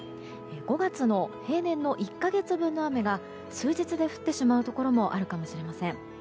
５月の平年の１か月分の雨が数日で降ってしまうところもあるかもしれません。